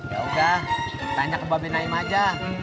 ya udah tanya ke mbak benaim aja